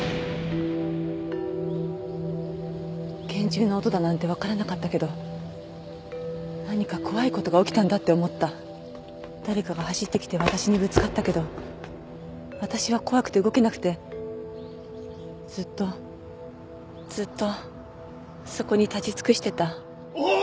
拳銃の音だなんて分からなかったけど何か怖いことが起きたんだって思った誰かが走ってきて私にぶつかったけど私は怖くて動けなくてずっとずっとそこに立ち尽くしてたおぉ！